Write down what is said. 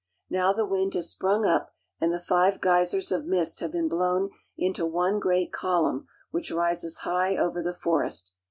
Now the wind has sprung up, and the five geysers of mist have been blown into one great col umn which rises high over the forest.